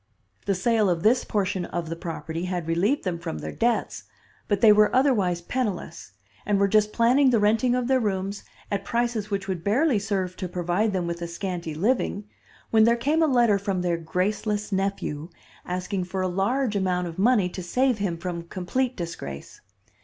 The sale of this portion of the property had relieved them from their debts, but they were otherwise penniless, and were just planning the renting of their rooms at prices which would barely serve to provide them with a scanty living, when there came a letter from their graceless nephew, asking for a large amount of money to save him from complete disgrace.